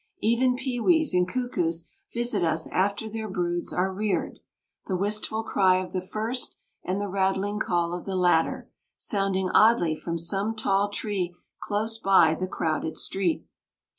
Even pewees and cuckoos visit us after their broods are reared, the wistful cry of the first and the rattling call of the latter, sounding oddly from some tall tree close by the crowded street.